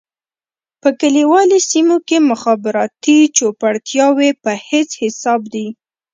په کليوالي سېمو کې مخابراتي چوپړتياوې په هيڅ حساب دي.